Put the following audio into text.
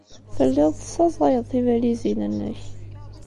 Telliḍ tessaẓayeḍ tibalizin-nnek.